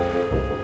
ini yang raven buat